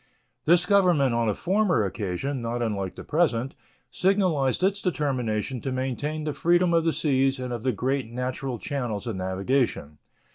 This Government on a former occasion, not unlike the present, signalized its determination to maintain the freedom of the seas and of the great natural channels of navigation.